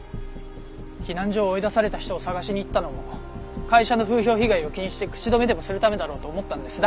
避難所を追い出された人を捜しに行ったのも会社の風評被害を気にして口止めでもするためだろうと思ったんです。